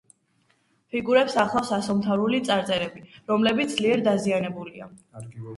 ფიგურებს ახლავს ასომთავრული წარწერები, რომლებიც ძლიერ დაზიანებულია.